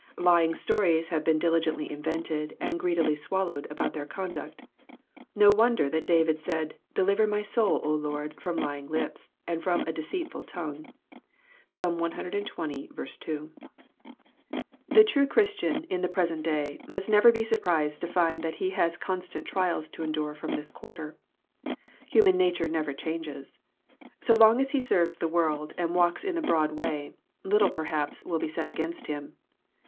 Lying stories have been diligently invented, and greedily swallowed, about their conduct. No wonder that David said, " Deliver my soul, O Lord, from lying lips, and from a deceitful tongue.'' (Psalm cxx. 2.) JOHN, CHAP. vm. 123 The true Christian in the present day must never be surprised to find that he has constant trials to endure from this quarter. Human nature never changes. So long as he serves the world, and walks in the broad way, little perhaps will be said against him.